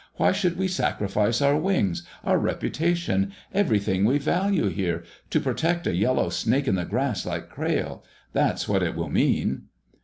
Why should we sacrifice our wings, our reputation—everything we value here—to protect a yellow snake in the grass like Crayle? That's what it will mean!"